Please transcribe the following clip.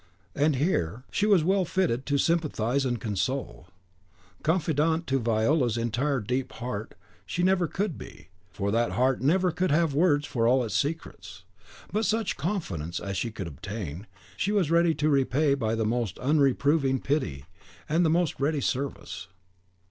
And here, she was well fitted to sympathise and console. Confidante to Viola's entire and deep heart she never could be, for that heart never could have words for all its secrets. But such confidence as she could obtain, she was ready to repay by the most unreproving pity and the most ready service.